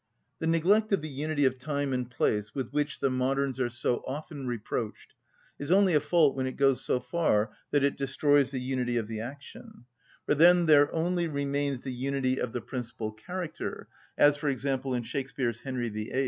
The neglect of the unity of time and place with which the moderns are so often reproached is only a fault when it goes so far that it destroys the unity of the action; for then there only remains the unity of the principal character, as, for example, in Shakspeare's "Henry VIII."